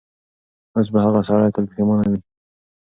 اوس به هغه سړی تل پښېمانه وي.